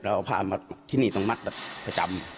เราเอาผ้ามาที่นี่ต้องมัดประจำ